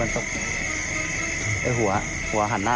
แล้วขอหันหน้า